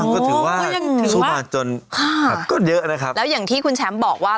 ก็ถือว่าสู้มาจนก็เยอะนะครับแล้วอย่างที่คุณแชมป์บอกว่า